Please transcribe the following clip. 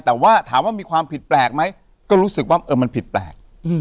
แต่ว่าถามว่ามีความผิดแปลกไหมก็รู้สึกว่าเออมันผิดแปลก